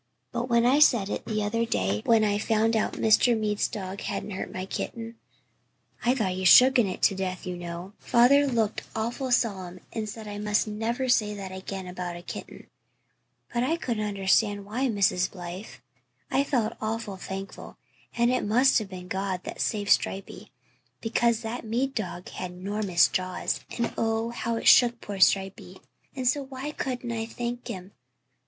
But when l said it the other day when I found out Mr. Mead's dog hadn't hurt my kitten I thought he had shooken it to death, you know father looked awful solemn and said I must never say that again about a kitten. But I couldn't understand why, Mrs. Blythe. I felt awful thankful, and it must have been God that saved Stripey, because that Mead dog had 'normous jaws, and oh, how it shook poor Stripey. And so why couldn't I thank Him?